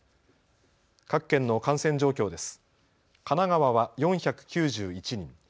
各県の感染状況です。